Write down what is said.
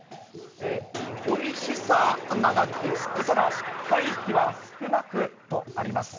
おいしさ長く、ただ、廃棄は少なくとあります。